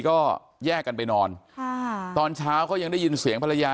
ก็แยกกันไปนอนค่ะตอนเช้าก็ยังได้ยินเสียงภรรยา